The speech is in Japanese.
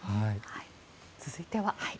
続いては。